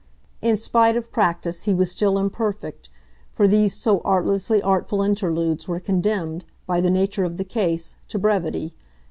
In spite of practice he was still imperfect, for these so artlessly artful interludes were condemned, by the nature of the case, to brevity.